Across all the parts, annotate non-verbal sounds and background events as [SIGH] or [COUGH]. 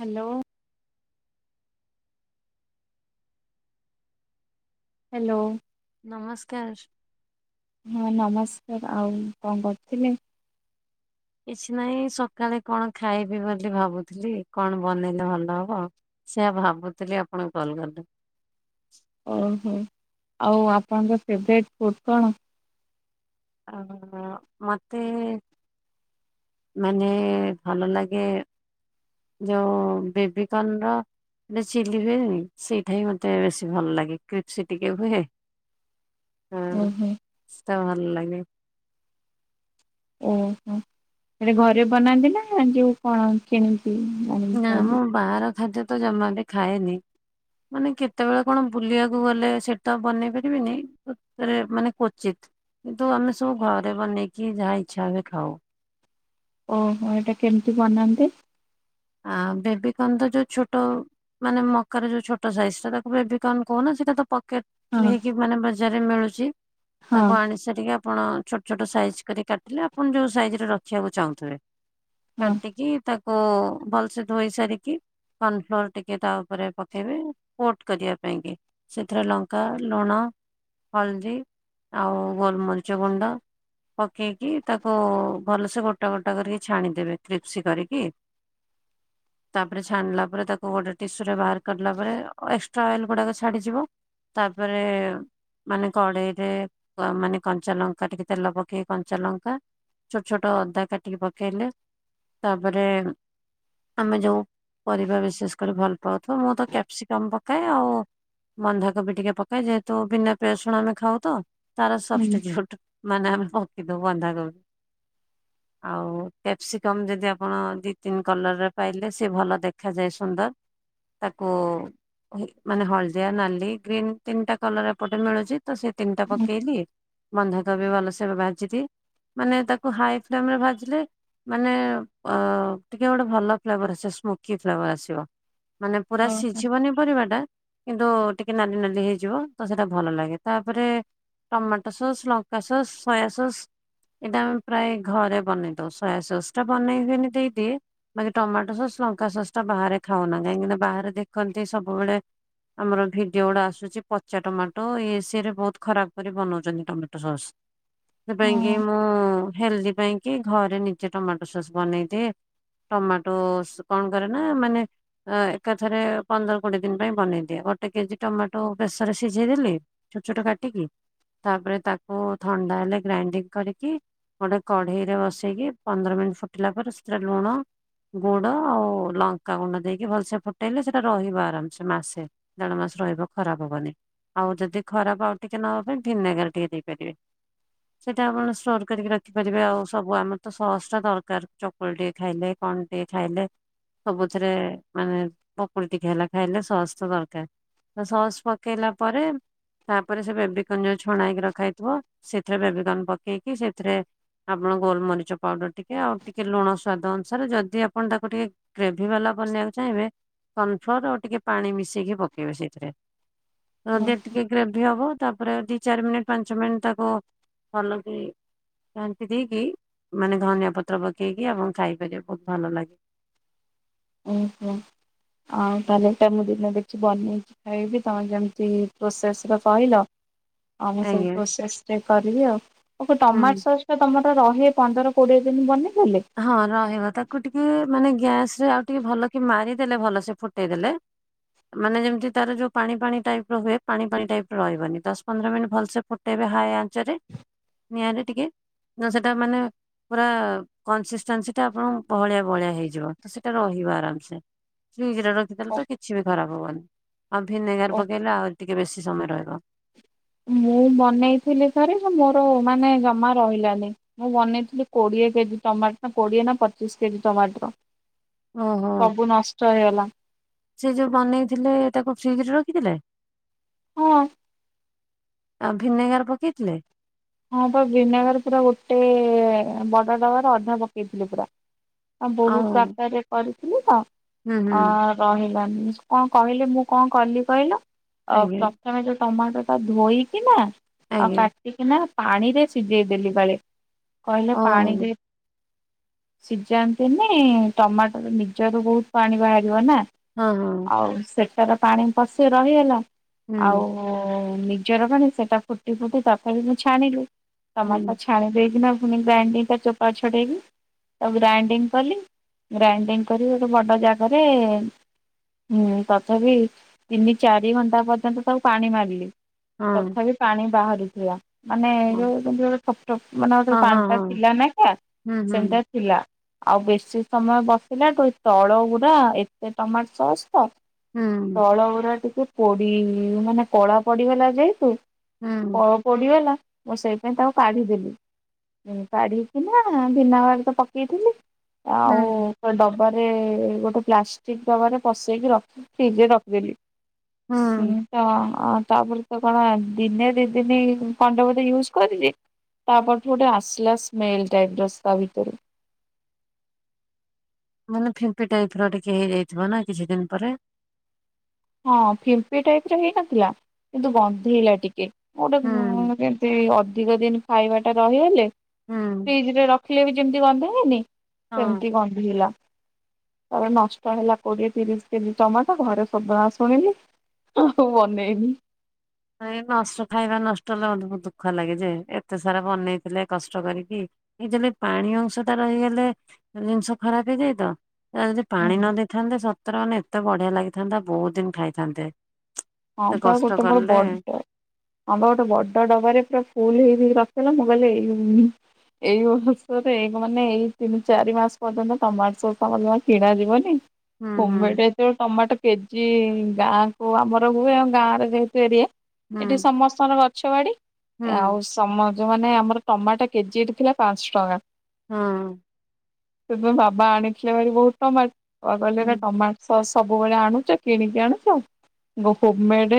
Hello. Hello. ନମସ୍କାର। ହଁ ନମସ୍କାର ଆଉ କଣ କରୁଥିଲେ? କିଛି ନାଇଁ ସକାଳେ କଣ ଖାଇବି ବୋଲି ଭାବୁଥିଲି କଣ ବନେଇଲେ ଭଲ ହବ। ସେଆ ଭାବୁଥିଲି ଆପଣଙ୍କୁ କଲ୍ କରିଲେ। ଓହୋ ଆଉ ଆପଣଙ୍କ ଫେଭରଟ୍ ଫୁଡ଼ କଣ? ଅ ମତେ ମାନେ ଭଲ ଲାଗେ ଯୋଉ ବେବିକନ ର ଏଟ ଚିଲି ହୁଏନି ସେଇଟା ହିଁ ମତେ ବେଶୀ ଭଲ ଲାଗେ କ୍ରିପ୍ସ ଟିକେ ହୁଏ। ଓହୋ ସେଟା ଭଲ ଲାଗେ। ଓହୋ ସେଟା ଘରେ ବନାନ୍ତି ନା ଯୋଉ କଣ କିଣି ନା ମୁଁ ବାହାର ଖାଦ୍ୟ ତ ଜମା ବି ଖାଏନି। ମାନେ କେତେବେଳେ କଣ ବୁଲିବାକୁ ଗଲେ ସେଟା ବନେଇ ପାରିବିନି। ମାନେ କ୍ବଚିତ୍ କିନ୍ତୁ ଆମେ ସବୁ ଘରେ ବନେଇକି ଯାହା ଇଚ୍ଛା ହୁଏ ଖାଉ। ଓହୋ ଏଇଟା କେମିତି ବନାନ୍ତି? ଆ ବେବିକର୍ଣ୍ଣ ତ ଯୋଉ ଛୋଟ ମାନେ ମକା ର ଯୋଉ ଛୋଟ ସାଇଜ ଟା ତାକୁ ବେବିକର୍ଣ କହୁ ନା ସେଟା ତ। ପକେଟ ହଁ ହେଇକି ମାନେ ବଜାରରେ ମିଳୁଛି ହଁ ତାକୁ ଆଣିସେ ଟିକେ ଆପଣ ଛୋଟ ଛୋଟ ସାଇଜ କରି କାଟିଲେ ଆପଣ ଯୋଉ ସାଇଜରେ ରଖିବାକୁ ଚାହୁଁଥିବେ। ହଁ କାଟିକି ତାକୁ ଭଲସେ ଧୋଇ ସାରିକି କର୍ନଫ୍ଲୋର ଟିକେ ତା ଉପରେ ପକେଇବେ କୋଟ କରିବା ପାଇଁ କି। ସେଥିରେ ଲଙ୍କା, ଲୁଣ, ହଳଦୀ ଆଉ ଗୋଲମରିଚ ଗୁଣ୍ଡ ପକେଇକି ତାକୁ ଭଲସେ ଗୋଟା ଗୋଟା କରିକି ଛାଣିଦେବେ କ୍ରିପ୍ସି କରିକି। ତାପରେ ଛାଣିଲା ପରେ ତାକୁ ଗୋଟେ ଟିସୁ ରେ ବାହାର କରିଲା ପରେ ଏକ୍ସଟ୍ରା ଅଏଲ ଗୁଡାକ ଛାଡିଯିବ। ତାପରେ ମାନେ କଡେଇ ରେ ମାନେ କଞ୍ଚା ଲଙ୍କା ଟିକେ ତେଲ ପକେଇକ କଞ୍ଚା ଲଙ୍କା ଛୋଟ ଛୋଟ ଅଦା କାଟିକି ପକେଇଲେ ତାପରେ ଆମେ ଯେଉ ପରିବା ବିଶେଷ କରି ଭଲ ପାଉଥିବା ମୁଁ ତ କ୍ୟାପ୍ସିକମ୍ ପକାଏ ଆଉ ବନ୍ଧାକୋବି ଟିକେ ପକେଇ ଯେହେତୁ ବିନା ପିଆଜ ରସୁଣ ଆମେ ଖାଉ ତାର ହୁଁ ସବଷ୍ଟିଟ୍ୟୁଟ୍। ମାନେ ଆମେ ପକିଦବୁ ବନ୍ଧାକୋବି। ଆଉ କ୍ୟାପ୍ସିକମ୍ ଯଦି ଆପଣ ଦି ତିନ କଲରରେ ପାଇଲେ ସି ଭଲ ଦେଖାଯାଏ ସୁନ୍ଦର ତାକୁ ମାନେ ହଳଦିଆ, ନାଲି, ଗ୍ରୀନ ତିନିଟା କଲର ଏପଟେ ମିଳୁଛି। ତ ସେ ତିନିଟା ହୁଁ ପକେଇଲି ବନ୍ଧାକବି ଭଲସେ ଭାଜିଦିଏ। ମାନେ ତାକୁ ହାଇ ଫ୍ଲେମ ରେ ଭାଜିଲେ ମାନେ ଅ ଟିକେ ଗୋଟେ ଭଲ ଫ୍ଲେଭର ଆସିବ ସ୍ମୋକି ଫ୍ଲେବର ଆସିବ ମାନେ ପୁରା ଓହୋ ସିଝିବନି ପର ଟା କିନ୍ତୁ ଟିକେ ନାଲି ନାଲି ହେଇଯିବ ତ ସେଇଟା ଭଲ ଲାଗେ ତାପରେ ଟମାଟୋ ସସ୍, ଲଙ୍କା ସସ୍, ସୋୟା ସସ୍ ଏଟା ଆମେ ପ୍ରାୟେ ଘରେ ବନେଇ ଦଉ। ସୋୟା ସସ୍ ଟା ବନେଇକିନି ଦେଇଦିଏ। ମାନେ ଟମାଟୋ ସସ୍ ଲଙ୍କା ସସ୍ ଟା ବାହାରେ ଖାଉନା, କାହିଁକିନା ବାହାରେ ଦେଖନ୍ତି ସବୁବେଳେ ଆମର ଭିଡିଓ ଗୁଡା ଆସୁଚି ପଚା ଟମାଟୋ ଇଏ ସିଏରେ ବହୁତ୍ ଖରାପ କରି ବନଉଚନ୍ତି ଟମାଟୋ ସସ୍। ସେଥି ପାଇଁ କି ମୁଁ ହେଲ୍ଦି ପାଇଁ କି ଘରେ ନିଜେ ଟମାଟୋ ସସ୍ ବନେଇଦିଏ। ଟମାଟୋସ୍ କଣ କରେ ନା ମାନେ ଅ ଏକାଥରେ ପନ୍ଦର କୋଡିଏ ଦିନ୍ ପାଇଁ ବନେଇଦିଏ। ଗୋଟେ କେଜି ଟମାଟୋ ପ୍ରେସରେ ସିଝେଇଦେଲି ଛୋଟ ଛୋଟ କାଟିକି, ତାପରେ ତାକୁ ଥଣ୍ଡା ହେଲେ ଗ୍ରାଇଣ୍ଡିଙ୍ଗ କରିକି ଗୋଟେ କଢେଇ ରେ ବସେଇକି ପନ୍ଦର ମିନିଟ୍ ଫୁଟିଲା ପରେ ସେଟା ଲୁଣ ଗୁଡ ଆଉ ଲଙ୍କା ଗୁଣ୍ଡ ଦେଇକି ଭଲସେ ଫୁଟେଇଲେ ସେଟା ରହିବ ଆରାମ୍ ସେ ମାସେ। ଦେଢ ମାସ୍ ରହିବ ଖରାପ୍ ହବନି। ଆଉ ଯଦି ଖରାପ ଆଉ ଟିକେ ନହେବେ ଭିନେଗାର ଟିକେ ଦେଇପାରିବେ। ସେଇଟା ଆପଣ ଷ୍ଟୋର କରିକି ରଖିପାରିବେ ଆଉ ସବୁ ଆମର ତ ସସ୍ ଟା ଦରକାର ଚ ଚକୁଳି ଟିକେ ଖାଇଲେ କଣ ଟିକେ ଖାଇଲେ ସବୁଥିରେ ମାନେ ପକୁଡ଼ି ଟିକେ ହେଲା ଖାଇଲେ ସସ୍ ତ ଦରକାର୍। ତ ସସ୍ ପକେଇଲା ପରେ ତାପରେ ସେ ବେବିକର୍ନ ଯୋଉ ଛଣା ହେଇକି ରଖାହେଇଥିବ ସେଥିରେ ବେବିକର୍ନ ପକେଇକି ସେଥିରେ ଆପଣ ଗୋଲମରିଚ ପାଉଡର ଟିକେ ଆଉ ଟିକ୍ କେ ଲୁଣ ସ୍ଵାଦ ଅନୁସାରେ ଯଦି ଆପଣ ତାକୁ ଟିକେ ଗ୍ରେଭି ବାଲା ବନେଇଆକୁ ଚାହିଁବେ କନଫ୍ଲୋର ଆଉ ଟିକେ ପାଣି ମିଶେଇକି ପକେଇବେ ସେଇଥିରେ। ହଁ ନଚେତ୍ ଟିକେ ଗ୍ରେଭି ହବ ତାପରେ ଆଉ ଦି ଚାରି ମିନିଟ୍ ପାଞ୍ଚ ମିନିଟ୍ ତାକୁ ଭଲକି ଘାଣ୍ଟି ଦେଇକି ମାନେ ଧନିଆ ପତ୍ର ପକେଇକି ଆପଣ ଖାଇପାରିବେ ବହୁତ୍ ଭଲ ଲାଗେ। ଉୁଁ ହୁଁ। ଆଉ ତାହେଲେ ଏଟା ମୁଁ ଦିନେ ଦେଖି ବନେଇକି ଖାଇବି ତମେ ଯେମିତି ପ୍ରୋସେସ ର କହିଲ। ଆଉ ମୁଁ ସେଇ ଆଜ୍ଞା ପ୍ରୋସେସ୍ ରେ କରିବି ଆଉ। ଆଉ କଁ ହୁଁ। ଟମାଟ୍ ସସ୍ ତ ତମର ରହେ ପନ୍ଦର କୋଡିଏ ଦିନ୍ ବନେଇଦେଲେ? ହଁ ରହିବ ତାକୁ ଟିକେ ମାନେ ଗ୍ୟାସ୍ ରେ ଆଉ ଟିକେ ଭଲ କି ମାରିଦେଲେ ଭଲ ସେ ଫୁଟେଇ ଦେଲେ ମାନେ ଯେମିତି ତାର ଯୋଉ ପାଣି ପାଣି ଟାଇପ୍ ର ହୁଏ ପାଣି ପାଣି ଟାଇପ୍ ର ରହିବନି ଦଶ ପନ୍ଦର ମିନିଟ ଭଲସେ ଫୁ ଟେଇବେ ହାଏ ଆଞ୍ଚରେ ନିଆଁରେ ଟିକେ ତ ସେଟା ମାନେ ପୁରା କନସିସ୍ଟାନ୍ସି ଟା ଆପଣଙ୍କର ବହଳିଆ ବହଳିଆ ହେଇଯିବ ତ ସେଇଟା ରହିବ ଆରାମସେ। ଫ୍ରିଜ ରେ ରଖିଦଲେ ତ କିଛି ବି ଖରାପ୍ ହବନି। ଆଉ ଓ ଭିନେଗାର ପକେଇଲେ ଆହୁର୍ ରି ଟିକେ ବେଶୀ ସମୟ ରହିବ। ମୁଁ ବନେଇଥିଲି ଥରେ ଯେ ମୋରୋ ମାନେ ଜମା ରହିଲାନି। ମୁଁ ବନେଇଥିଲି କୋଡିଏ କେଜି ଟମାଟର କୋଡିଏ ନା ପଚିଶ କେଜି ଟମାଟର। ଓହୋ ସବୁ ନଷ୍ଟ ହେଇଗଲା। ସେ ଯୋଉ ବନେଇଥିଲେ ତାକୁ ଫ୍ରିଜ ରେ ରଖିଥିଲେ? ହଁ। ଆଉ ଭିନେଗାର ପକେଇଥିଲେ? ହଁ ପା ଭିନେଗାର୍ ପୁରା ଗୋଟେ ବଡ ଡବାର ଅଧା ପକେଇଥିଲି ପୁରା। ଆ ଆଉ ବହୁତ୍ ମାତ୍ରାରେ କରିଥିଲି ତ ହୁଁ ହୁଁ ଆ ରହିଲାନି। କଣ କହିଲେ ମୁଁ କଣ କଲି କହିଲ ଆଜ୍ଞା ତମେ ଯୋଉ ଟମାଟୋ ଟା ଧୋଇକିନା ଆଉ ଆଜ୍ଞା। କାଟିକିନା ପାଣିରେ ସିଜେଇ ଦେଲି ବାଳେ, ଅ କହିଲେ ପାଣିରେ ସିଜାନ୍ତିନି ଟମାଟୋର ନିଜର ବହୁତ୍ ପାଣି ବାହାରିବ ନା। ହଁ ହଁ ହଁ। ଆଉ ସେଟାର ପାଣି ପଶି-ରହିଗଲା ହୁଁ ଆଉ ଓ ନିଜର ମାନେ ସେଟା ଫୁଟି ଫୁଟି ତଥାପି ମୁଁ ଛାଣିଲୁ ହୁଁ ତମର ତ ଛାଳି ଦେଇକିଣା ପୁଣି ଗ୍ରାଇଣ୍ଡିଙ୍ଗ ଟା ଚୋପା ଛଡ଼େଇକି ତାକୁ ଗ୍ରାଇଣ୍ଡିଙ୍ଗ କଲି ଗ୍ରାଇଣ୍ଡିଙ୍ଗ କରି ଗୋଟେ ବଡ଼ ଜାଗରେ ହୁଁ ତଥାପି ତିନି ଚାରି ଘଣ୍ଟା ପର୍ଯ୍ୟନ୍ତ ତାକୁ ପାଣି ମାରିଲି ହଁ ତଥାପି ପାଣି ବାହାରୁଥିଲା। ମାନେ ଏ ହଁ ଯୋଉ ସେଯୋଉ ଠୋପ୍ ଠୋପ୍ ମାନେ ଏଯୋଉ ହଁ ପାଣି ହଁ ଟା ହଁ ଥିଲା ନା କେ ହୁଁ ହୁଁ ସେଇ ଟା ଥିଲା। ଆଉ ବେଶୀ ସମୟ ବସିଲାଠୁ ଏ ତଳ ଉରା ଏତେ ଟମାଟୋ ସସ୍ ହୁଁ ତଳ ଉରା ଟିକେ ପୋଡି ମାନେ କଳା ପଡିଗ ଲା ଯେହେତୁ ହୁଁ କଳ ପୋଡିଗଲା ମୁଁ ସେଇ ଥି ପାଇଁ ତାକୁ କାଢିଦେଲି। କାଢିକିନା ଭିନା ଗାର ତ ପକେଇଥିଲି ହୁଁ ଆଉ ଡବାରେ ଗୋଟେ ପ୍ଲାଷ୍ଟିକ ଡବାରେ ପସେଇକି ରଖ ଫିର୍ଇଜ୍ ରଖିଦେଲି। ହୁଁ ସେଟ ଅ ତାପରେ ତ କଣ ଦିନେ ଦି ଦିନି କଁଣ୍ଟେ ଗୋଟେ ୟୁଜ କରିଚି ତାପରଠୁ ଗୋଟେ ଆସିଲା ସ୍ମେଲ ଟାଇପିର ସ୍ ତା ଭିତରୁ। ମାନେ ଫିମ୍ପି ଟାଇପ ର ଟିକେ ହେଇଯାଇଥିବ ନା କିଛି ଦିନି ପରେ। ହଁ ଫମ୍ପି ଟାଇପିରେ ହେଇନଥିଲା କିନ୍ତୁ ଗନ୍ଧେଇଲା ଟିକେ ଗୋଟେ ଗୁଁ ହୁଁ ସେ ଅଧିକ ଦିନି ଖାଇବା ଟା ରହିହଲେ ହୁଁ ଫ୍ରିଜି ରେ ରଖିଲେ ବି ଯେମିତି ଗନ୍ଧାଏ ନି ହଁ ସେମିତି ଗନ୍ଧେଇଲା ତାପରେ ନଷ୍ଟ ହେଲା କୋଡିଏ ତିରିଶ କେଜି ଟମାଟ ଘରେ ସଦଣା ଶୁଣିଲି ଆଉ ବନେଇଲି। ନା ଇଁ ନଷ୍ଟ ଖାଇବା ନଷ୍ଟ ହେଲେ ମୋତେ ଦୁଃଖ ଲାଗେ ଯେ ଏତେ ସାରା ବନେଇଥିଲେ କଷ୍ଟ କରିକି। ଏତଲେ ପାଣି ଅଂଶ ଟା ରହିଗଲେ ଜିନିଷ ଖରାପ୍ ହେଇଯାଇଏ ତ ଯଦି ପାଣି ହୁଁ ନ ଦେଇେଥାନ୍ତେ ସତର ମାନେ ଏତେ ବଢିଆ ଲାଗିଥାନ୍ତା ବୋହୁତ ଦିନି ଖାଇଥାନ୍ତେ। ହଁ ଏତେ ପୁରା କଷ୍ଟ ଗୋଟେ ମୋର କଲେ ବଡ ହଁ ଗୋଟେ ବଡ ଡବାରେ ପୁରା ଫୁଲ ହେଇକି ର ଚଲ ମୁଁ କଇଲି ଏଇ ବର୍ଷରେ ଏଗୁ ମାନେ ଏଇ ତିନି ଚାରି ମାସ ପର୍ଯ୍ୟନ୍ତ ଟମାଟୋ ସୋସା ତମର କଣ କିଣ ଯିବନି। ହୁଁ ହୁଁ କୁମେଟ ଏଯେଉ ଟମାଟୋ କେଜି ଗାଁ କୁ ଆମର ଘର ହୁଏ ଆ ଗାଁର ଯେହେତୁ ଏରିଆ ହୁଁ ଏଠି ସମସ୍ତଙ୍କ ଗଛ ବାଡି ହୁଁ ଆଉ ସମ ଯଉ ମାନେ ଆମର ଟମାଟୋ କେଜି ଏଠି ଥିଲା ପାଂସ ଟଙ୍କା। ହଁ। ସେପଁ ବାବା ଆଣିଥିଲେ ଭାରି ବହୁତ ଟମାଟ କୁଆ କହିଲେ ଏରା ଟମାଟ ସ ସବୁବେଳେ ଆଣୁଛ କିଣିକି ଆଣୁଚ। ହୋମ ମେଡ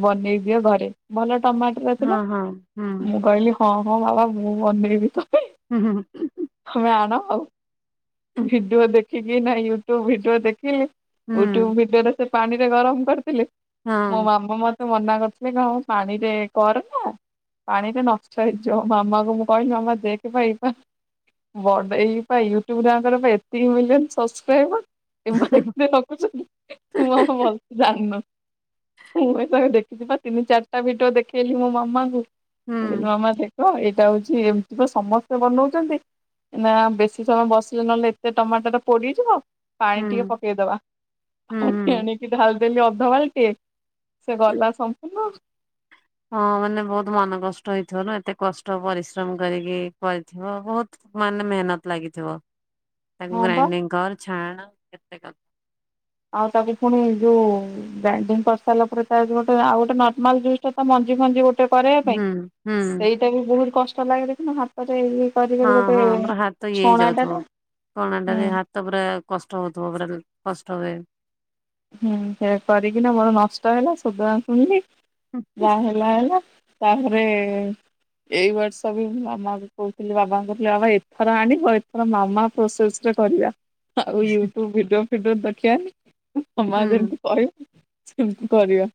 ବନେଇ ଦିଅ ଘରେ ଭଲ ଟମାଟର ଥିଲା ହଁ ହଁ ହୁଁ ମୁଁ କହିଲି ହଁ ହଁ ବାବା ମୁଁ ମନେଇବି ତମେ ହୁଁ ହୁଁଁ। ତମେ ଆଣ ଆଉ ଭିଡିଓ ଦେଖିକି ନା ୟୁଟ୍ୟୁବ ଭିଡିଓ ଦେଖିଲି ୟୁଟ୍ୟୁବ ଭିଡିଓ ରେ ସେ ପାଣିରେ ଗରମ କରିଥିଲେ। ହଁ ମୋ ମାମା ମତେ ମନା କରିଥିଲେ କଣ ପାଣିରେ କର ନା ପାଣିରେ ନଷ୍ଟହୋଇ ଯିବ ମାମାକୁ ମୁଁ କହିଲି ମାମା ଦେଖେଣା ଏଇବା ବଡେଇ ପା ୟୁଟ୍ୟୁବରେ ଆଙ୍କର ପା ଏତିକି ମିଲିୟନ ସବସ୍କ୍ରାଇବର ଏମାନେ କେତେ [UNINTELLIGIBLE] ମୁ କଲି ତୁ ଆଗେ ଦେଖିଥିବା ତିନି ଚାରିଟା ଭିଡିଓ ଦେଖେଇଲି ମୋ ମାମାଙ୍କୁ ହୁଁ ମୁଁ କଲି ମାମା ଦେ ଖତ ଏଇଟା ହଉଛି ଏମିତି ତ ସମସ୍ତେ ବନଉଛନ୍ତି। ନା ବେଶୀ ସମୟ ବସିଲେ ନହେଲେ ଏତେ ଟମାଟୋ ର ପୋଡିଯିବ। ହୁଁ ପାଣି ହୁଁ ଟିକେ ପକେଇଦବା ହୁଁ ପାଣି ହଁ ଆଣିକି ଡାଲ ତେଲି ଅଧ ବା ିକେ ସେ ଗଲା ସମ୍ପୂର୍ଣ୍ଣ। ହଁ ମାନେ ବହୁତ୍ ମନ କଷ୍ଟ ହେଇଥିବ ନା ଏତେ କଷ୍ଟ ପରିଶ୍ରମ କରିକି କରିଥିବ ବହୁତ୍ ମାନେ ମେହନତ ଲାଗିଥିବ, ତାକୁ ହଁ ବା ଗ୍ରାଇଣ୍ଡିଙ୍ଗ କର ଛାଣ୍ କେତେ ଆଉ ତାକୁ ପୁଣି ଯୋଉ ଗ୍ରାଣ୍ଡିଗ୍ କରିସାରିଲା ପରେ ତା ଗୋଟେ ଆଉ ଗୋଟେ ନର୍ମାଲ ଜୁସ୍ ଟା ତା ମଞ୍ଜି ମଞ୍ଜି ଗୋଟେ ଗୋଟେ କରିବା ପାଇଁ ହୁଁ ହୁଁ ସେଇଟା ବି ବହୁତ୍ କଷ୍ଟ ଲାଗେ ଦେଖିନ ହାତରେ ବି ହଁ ହଁ ଆମର ହାତ ଇଏ ହେଇ ଯାଉଥିବ କଣ ଆଣ୍ଡ ହାତ ହୁଁ ହାତ ପୁରା କଷ୍ଟ ହଉଥିବ ପୁରା କଷ୍ଟ ହୁଏ। ହୁଁ ସେ କରିକିନା ମୋର ନଷ୍ଟ ହେଲା ସୁଧନା ଶୁଣିଲି ଯାହା ହେଲା ହେଲା। ତାପରେ ଏଇ ବର୍ଷ ବି ମାମା କୁ କହୁଥିଲି ବାବାଙ୍କୁ କହିଥିଲେ ବାବା ଏଥର ଆଣିବ ଏଥର ମାମା ପ୍ରସେସ୍ କରିବା ଆଉ ୟୁଟୁବ ଭିଡିଓ ଫିଡିଓ ଦେଖିବାନି ସମ ହୁଁ ଯେମତି କହିବ ସେମିତି କରିବା।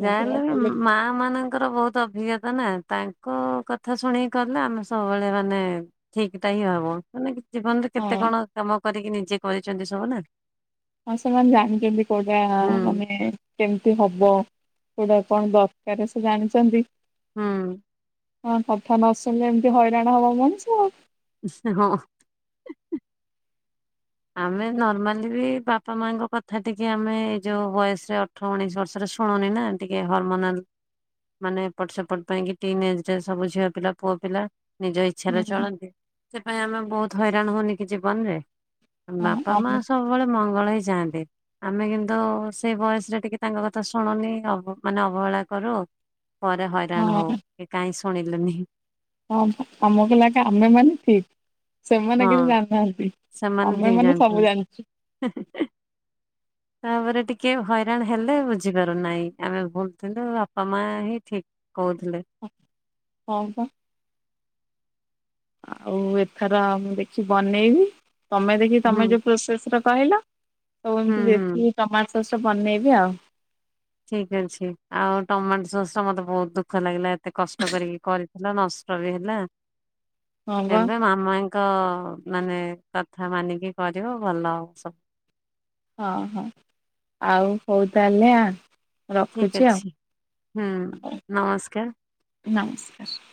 ହଁ ସେୟା ଜାଣିଲେ ବି କଲେ ମା ମାନେ ତାଙ୍କର ବହୁତ୍ ଅଭିଜ୍ଞତା ନା ତାଙ୍କ କଥା ଶୁଣିକି କଲେ ଆମେ ସବୁବେଳେ ମାନେ ଠିକ୍ ଟା ହିଁ ହବ ମାନେ କିଛି ଜୀବନରେ କେତେ ହଁ କଣ କାମ କରିକି ନିଜେ କରିଛନ୍ତି ସବୁ ନା। ହଁ ସେମାନେ ଜାଣିଛନ୍ତି କୋଉଟା ହୁଁ ମାନେ କେମିତି ହବ। କଉଟା କଣ ଦରକାର୍ ସେ ଜାଣିଛନ୍ତି। ହଁ। ହଁ କଥା ନ ଶୁଣିଲେ ଏମିତି ହଇରାଣ ହବ ମଣିଷ ଆଉ। ହଁ। ଆମେ ନର୍ମାଲି ବି ବାପା ମାଙ୍କ କଥା ଟିକେ ଆମେ ଏଇ ଯୋଉ ବୟସର ଅଠର ଉଣେଇଶ ବର୍ଷରେ ଶୁଣୁନି ନା ଟିକେ ହରମୋନାଲ୍ ମାନେ ଏପଟ ସେପଟ ପାଇଁ କି ଟିନ୍ ଏଜ୍ ରେ ସବୁ ଝିଅ ପିଲା ପୁଅ ପିଲା। ନିଜ ଇଚ୍ଛାରେ ହୁଁ ଚଳନ୍ତି ସେପାଇଁ ଆମେ ବହୁତ୍ ହଇରାଣ ହଉନି କି ଜୀବନ ରେ। ହଁ ବାପା ମା ଆମ ସବୁବେଳେ ମଙ୍ଗଳ ହିଁ ଚାହାନ୍ତି। ଆମେ କିନ୍ତୁ ସେଇ ବୟସରେ ଟିକେ ତାଙ୍କ କଥା ଶୁଣୁନି ମାନେ ଅବହେଳା କରୁ। ପରେ ହଇରାଣ ହଉ ହଁ ଏ କାହିଁ ଶୁଣିଲୁନି। ହଁ ଆମକୁ ଲାଗେ ଆମେ ମାନେ ଠିକ୍। ସେମାନେ କିଛି ହଁ ଜାଣିନାହାନ୍ତି ସେମାନେ ଆମେ ଠିକ ମାନେ ସବୁ ଜାଣିଛନ୍ତି। ଜାଣିଛୁ। [INAUDIBLE] ତାପରେ ଟିକେ ହଇରାଣ ହେଲେ ବୁଝିପାରୁନାହିଁ ଆମେ ଭୁଲ୍ ଥିଲୁ ବାପା ମା ହିଁ ଠିକ୍। କହୁଥିଲେ। ହଁ ପା, ଆଉ ଏଥର ମୁଁ ଦେଖି ବନେଇବି ତମେ ଦେଖି ହୁଁ ତମେ ଯୋଉ ପ୍ରୋସେସର କହିଲ ତ ହୁଁ ଏମିତି ହୁଁ। ବେଶୀ ଟମାଟ ଶସ୍ ବନେଇବି ଆଉ। ଠିକ୍ ଅଛି ଆଉ ଟମାଟୋ ସସ୍ ଟା ମତେ ବହୁତ୍ ଦୁଃଖ ଲାଗିଲା ଏତେ କଷ୍ଟ କରିକି କରି ହେଲା ନଷ୍ଟ ବି ହେଲା। [INAUDIBLE] ଏବେ ମାମାଙ୍କ ମାନେ କଥା ମାନିକି କରିବ ଭଲ ଆଉ ସବୁ। ହଁ ହଁ ଆଉ ହଉ ତାହେଲେ ଆ ଠିକ୍ ରଖୁଛି ଆଉ ଅଛି ହୁଁ ନମସ୍କାର। ନମସ୍କାର।